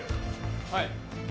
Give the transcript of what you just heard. はい。